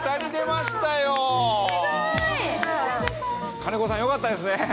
金子さんよかったですね。